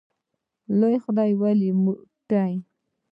لویه خدایه ولې موټی